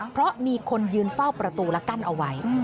เพราะมีคนยืนเฝ้าประตูและกั้นเอาไว้